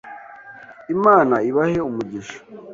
Imana Ibahe Umugisha